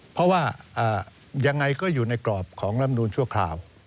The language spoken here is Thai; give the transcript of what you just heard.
เพราะว่ายังไงก็อยู่ในกรอบของลำนูนชั่วคราว